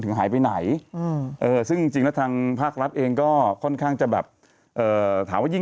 คือบอกว่าอะไรนะคุณพลุกทำอะไรเพื่อประเทศชาติหรือยัง